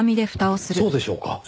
そうでしょうか？